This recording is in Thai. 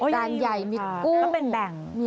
จานใหญ่มีกุ้ง